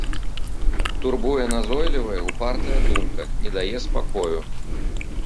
Турбуе назойлівая, упартая думка, не дае спакою.